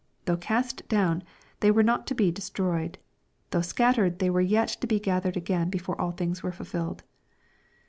Though cast down, they were not to be destroyed. Though scattered, they were yet to be gathered again before all things were fulfilled.